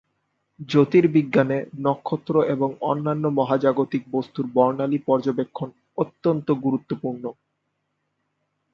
জ্যোতির্বিজ্ঞানে নক্ষত্র এবং অন্যান্য মহাজাগতিক বস্তুর বর্ণালি পর্যবেক্ষণ অত্যন্ত গুরুত্বপূর্ণ।